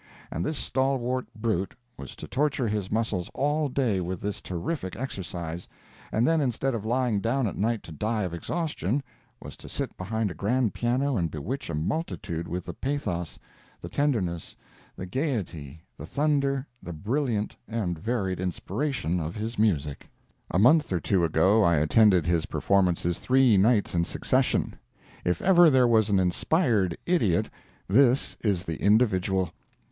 And this stalwart brute was to torture his muscles all day with this terrific exercise, and then instead of lying down at night to die of exhaustion, was to sit behind a grand piano and bewitch a multitude with the pathos, the tenderness, the gaiety, the thunder, the brilliant and varied inspiration of his music! A month or two ago I attended his performances three nights in succession. If ever there was an inspired idiot this is the individual.